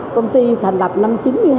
công ty thành lập năm chín mươi hai